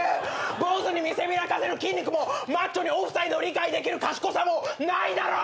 坊主に見せびらかせる筋肉もマッチョにオフサイド理解できる賢さもないだろう！